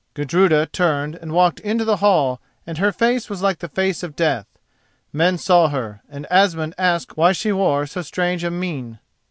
Gudruda turned and walked into the hall and her face was like the face of death. Men saw her, and Asmund asked why she wore so strange a mien.